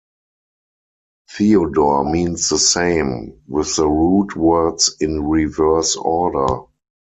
Theodore means the same, with the root words in reverse order.